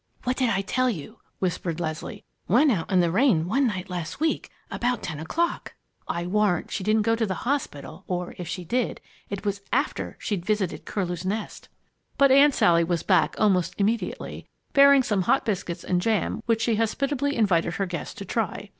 "What did I tell you!" whispered Leslie. "Went out in the rain one night last week about ten o'clock! I warrant she didn't go to the hospital, or, if she did, it was after she'd visited Curlew's Nest!" But Aunt Sally was back almost immediately, bearing some hot biscuits and jam which she hospitably invited her guests to try.